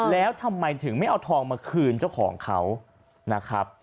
แล้วทำไมถึงไม่เอาทองมาคืนเจ้าของเขานะครับ